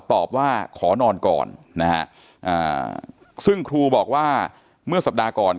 ตอบว่าขอนอนก่อนนะฮะซึ่งครูบอกว่าเมื่อสัปดาห์ก่อน